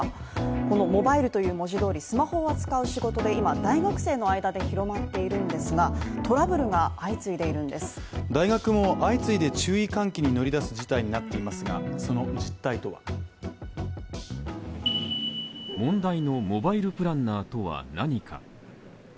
このモバイルという文字通りスマホを扱う仕事で今大学生の間で広まっているんですが、トラブルが相次いでいるんです大学も相次いで注意喚起に乗り出す事態になっていますが、その実態とは問題のモバイルプランナーとは何か。